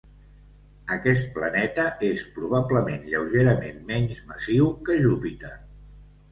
Aquest planeta és probablement lleugerament menys massiu que Júpiter.